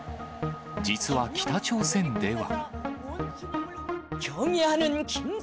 実は北朝鮮では。